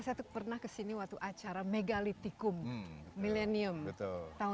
saya tuh pernah kesini waktu acara megalithicum millennium tahun dua ribu